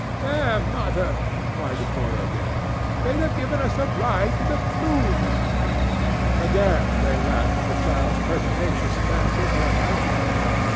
"There, mother!" cried the boy, again; "they'd have given us a ride to the Flume." Again they laughed at the child's pertinacious fancy for a night ramble.